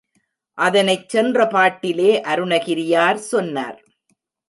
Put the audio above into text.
அதனைச் சென்ற பாட்டிலே அருணகிரியார் சொன்னார்.